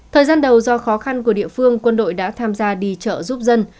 thời gian đầu do khó khăn của địa phương quân đội đã tham gia đi chợ giúp dân